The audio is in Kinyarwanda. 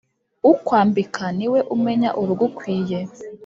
Ukwambika niwe umenya urugukwiye